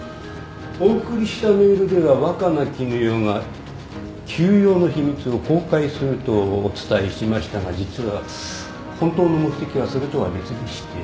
お送りしたメールでは若菜絹代が休養の秘密を公開するとお伝えしましたが実は本当の目的はそれとは別でして。